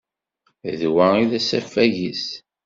D wa i d asafag-is.